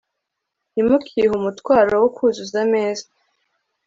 Ntimukihe umutwaro wo kuzuza ameza